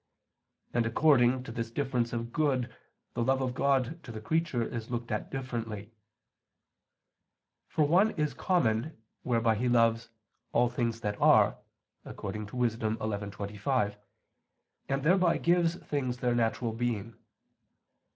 And according to this difference of good the love of God to the creature is looked at differently. For one is common, whereby He loves "all things that are" (Wis. 11:25), and thereby gives things their natural being.